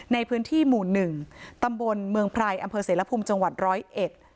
ในพื้นที่หมู่๑ตำบลเมืองไพรอเสรภูมิจังหวัด๑๐๑